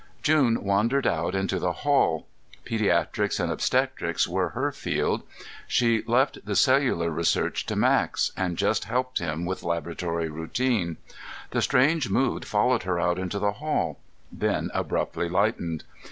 June wandered out into the hall. Pediatrics and obstetrics were her field; she left the cellular research to Max, and just helped him with laboratory routine. The strange mood followed her out into the hall, then abruptly lightened.